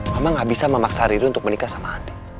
mama gak bisa memaksa riri untuk menikah sama andi